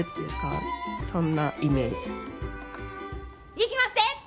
いきまっせ！